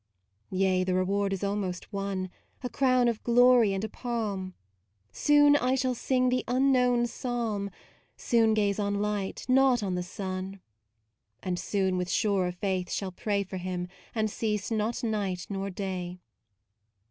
Yea, the reward is almost won, A crown of glory and a palm. Soon I shall sing the unknown psalm; Soon gaze on light, not on the sun; And soon, with surer faith, shall pray For him, and cease not night nor day.